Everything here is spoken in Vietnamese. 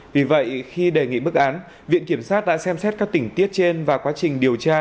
vì vậy khi đề nghị bức án viện kiểm sát đã xem xét các tỉnh tiết trên và quá trình điều tra